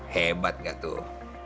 hebat gak tuh